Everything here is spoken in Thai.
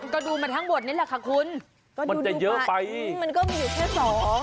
ก็ดูมาให้บทนี้ค่ะคุณมันจะเยอะไปมันก็มีอยู่เท่า๒